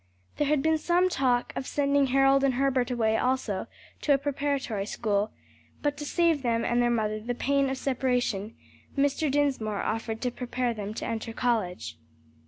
There had been some talk of sending Harold and Herbert away also to a preparatory school; but to save them and their mother the pain of separation, Mr. Dinsmore offered to prepare them to enter college.